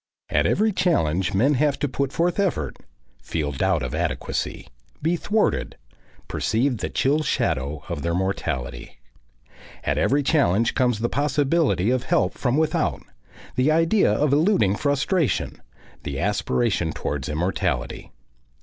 At every challenge men have to put forth effort, feel doubt of adequacy, be thwarted, perceive the chill shadow of their mortality. At every challenge comes the possibility of help from without, the idea of eluding frustration, the aspiration towards immortality.